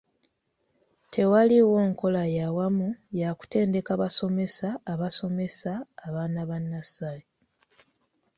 Tewaliiwo nkola ya wamu ya kutendeka basomesa abasomesa baana ba nnasale.